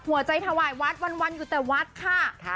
ถวายวัดวันอยู่แต่วัดค่ะ